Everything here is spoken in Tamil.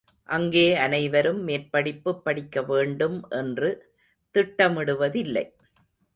அங்கே அனைவரும் மேற்படிப்புப் படிக்கவேண்டும் என்று திட்டமிடுவதில்லை.